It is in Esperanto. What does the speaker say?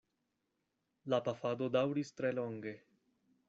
La pafado daŭris tre longe.